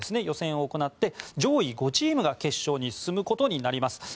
予選を行って、上位５チームが決勝に進むことになります。